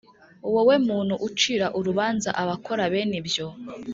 Wowe muntu ucira urubanza abakora bene ibyo